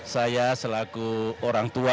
saya selaku orang tua